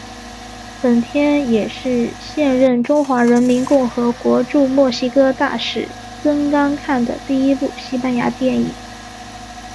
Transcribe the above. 本片也是现任中华人民共和国驻墨西哥大使曾钢看的第一部西班牙语电影。